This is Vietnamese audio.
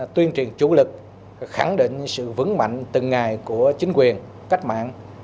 tuyên truyền chủ lực khẳng định sự vững mạnh từng ngày của chính quyền cách mạng